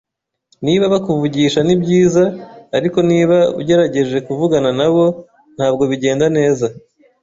Niba bakuvugisha nibyiza, ariko niba ugerageje kuvugana nabo, ntabwo bigenda neza.